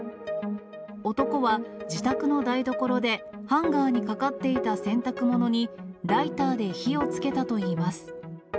男は自宅の台所で、ハンガーにかかっていた洗濯物にライターで火をつけたといいます。